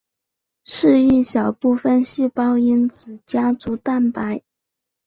是一小分子细胞因子家族蛋白。